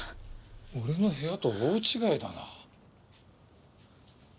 俺の部屋とは大違いだな。